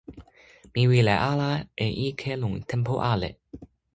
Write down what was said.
mi wile ala e ike lon tenpo ale!